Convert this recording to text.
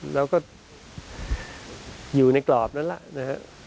แล้วก็อยู่ในกรอบนั้นแหละนะครับ